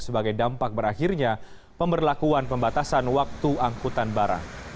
sebagai dampak berakhirnya pemberlakuan pembatasan waktu angkutan barang